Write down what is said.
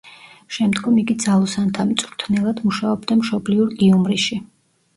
შემდგომ იგი ძალოსანთა მწვრთნელად მუშაობდა მშობლიურ გიუმრიში.